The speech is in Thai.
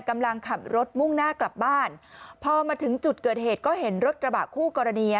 กำลังขับรถมุ่งหน้ากลับบ้านพอมาถึงจุดเกิดเหตุก็เห็นรถกระบะคู่กรณี